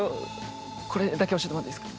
これだけ教えてもらっていいですか？